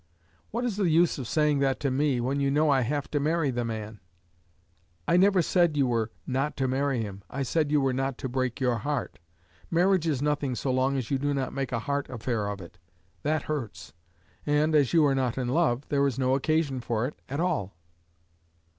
"What is the use of saying that to me, when you know I have to marry the man?" "I never said you were not to marry him; I said you were not to break your heart. Marriage is nothing so long as you do not make a heart affair of it; that hurts; and, as you are not in love, there is no occasion for it at all."